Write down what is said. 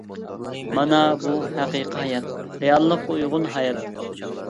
مانا بۇ ھەقىقىي ھايات، رېئاللىققا ئۇيغۇن ھايات.